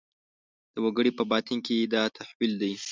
د وګړي په باطن کې دا تحول دی.